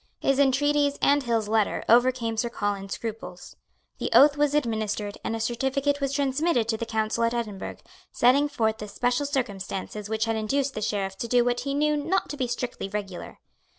His entreaties and Hill's letter overcame Sir Colin's scruples. The oath was administered; and a certificate was transmitted to the Council at Edinburgh, setting forth the special circumstances which had induced the Sheriff to do what he knew not to be strictly regular.